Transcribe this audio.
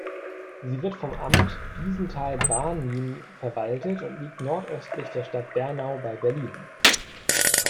Sie wird vom Amt Biesenthal-Barnim verwaltet und liegt nordöstlich der Stadt Bernau bei Berlin.